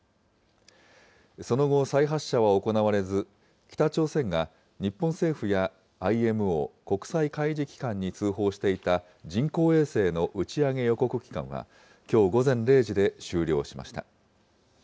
その後、再発射は行われず、北朝鮮が日本政府や、ＩＭＯ・国際海事機関に通報していた人工衛星の打ち上げ予告期間は、きょう午前０時で終了しました。